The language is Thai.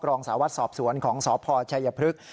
รองสาววัดสอบสวนของสพชัยพฤกษ์